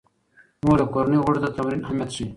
مور د کورنۍ غړو ته د تمرین اهمیت ښيي.